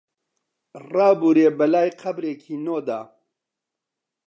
ڕابوورێ بەلای قەبرێکی نۆدا